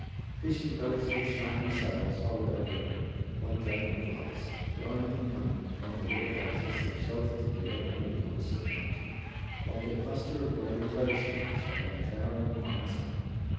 Fishing boats with shining sails hovered over it, like dragon flies, going and coming from the little houses that sheltered together under the opposite mountain, like a cluster of gray toadstools by a towering pine stump.